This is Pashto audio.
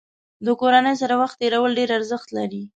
د کورنۍ سره وخت تېرول ډېر ارزښت لري.